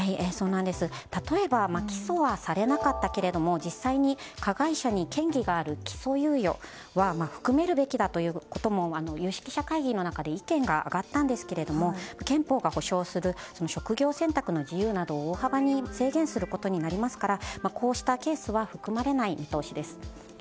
例えば起訴はされなかったけれども実際に加害者に嫌疑がある起訴猶予は含めるべきだということも有識者会議の中で意見があがったんですが憲法が保障する職業選択の自由などを大幅に制限することになりますからこうしたケースは含まれない見通しです。